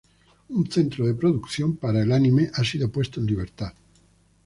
Un centro de producción para el anime ha sido puesto en libertad.